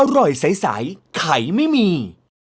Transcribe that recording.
อร่อยใสไข่ไม่มี